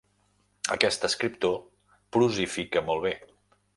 Aquest escriptor prosifica molt bé.